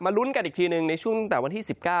ลุ้นกันอีกทีหนึ่งในช่วงตั้งแต่วันที่๑๙